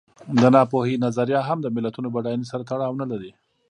د ناپوهۍ نظریه هم د ملتونو بډاینې سره تړاو نه لري.